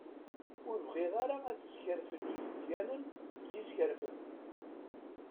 Ur bɣiɣ ara ad skerfen izeddganen deg yiskerfen.